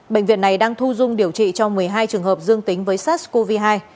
bệnh viện này đang thu dung điều trị cho một mươi hai trường hợp dương tính với sars cov hai